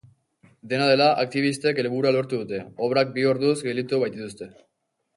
Dena dela, aktibistek helburua lortu dute, obrak bi orduz gelditu baitituzte.